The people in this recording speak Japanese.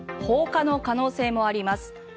放火の可能性もあります。